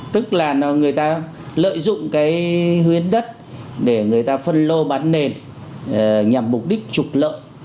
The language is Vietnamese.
tức là người ta lợi dụng cái hiến đất để người ta phân lô bán nền nhằm mục đích trục lợi